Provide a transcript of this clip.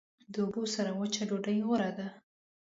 د اوبو سره وچه ډوډۍ غوره ده.